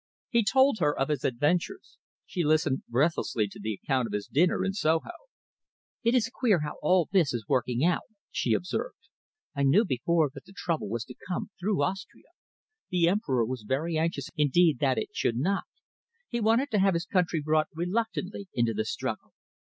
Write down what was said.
He told her of his adventures. She listened breathlessly to the account of his dinner in Soho. "It is queer how all this is working out," she observed. "I knew before that the trouble was to come through Austria. The Emperor was very anxious indeed that it should not. He wanted to have his country brought reluctantly into the struggle.